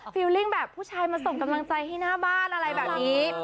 ฟิลลิ่งแบบผู้ชายมาส่งกำลังใจให้หน้าบ้านอะไรแบบนี้